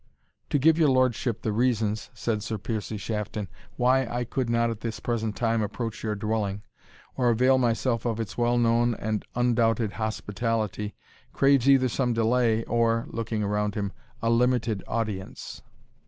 "To give your lordship the reasons," said Sir Piercie Shafton, "why I could not at this present time approach your dwelling, or avail myself of its well known and undoubted hospitality, craves either some delay, or," looking around him, "a limited audience."